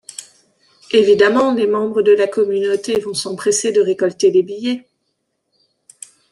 Évidemment, les membres de la communauté vont s'empresser de récolter les billets.